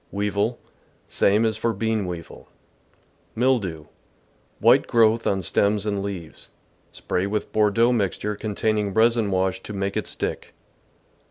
Weevil. — Same as for bean weevil. Mildew. — White growth on stems and leaves. Spray with Bordeaux mixture containing resin w^ash to make it stick.